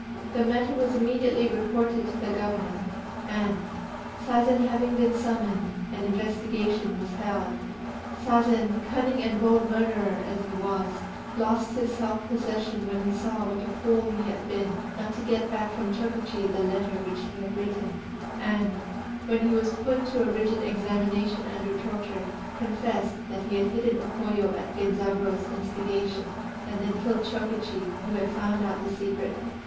The matter was immediately reported to the governor, and, Sazen having been summoned, an investigation was held. Sazen, cunning and bold murderer as he was, lost his self possession when he saw what a fool he had been not to get back from Chokichi the letter which he had written, and, when he was put to a rigid examination under torture, confessed that he had hidden O Koyo at Genzaburô's instigation, and then killed Chokichi, who had found out the secret.